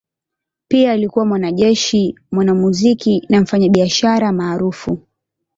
Pia alikuwa mwanajeshi, mwanamuziki na mfanyabiashara maarufu.